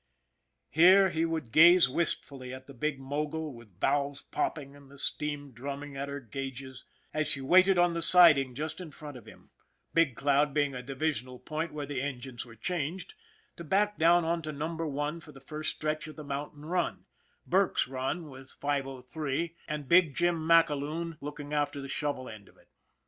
Here he would gaze wistfully at the big mogul with valves popping and the steam drumming at her gauges, as she waited on the siding just in front of him 'Big Cloud being a divisional point where the engines were changed to back down onto Number One for the first stretch of the mountain run Burke's run with 503, SPITZER 83 and big Jim MacAloon looking after the shovel end of it.